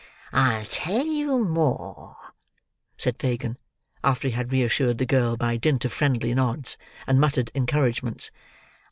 "I'll tell you more," said Fagin, after he had reassured the girl, by dint of friendly nods and muttered encouragements.